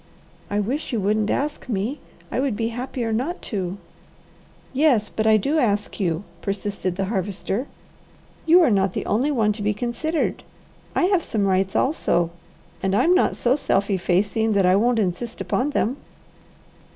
"I wish you wouldn't ask me. I would be happier not to." "Yes, but I do ask you," persisted the Harvester. "You are not the only one to be considered. I have some rights also, and I'm not so self effacing that I won't insist upon them.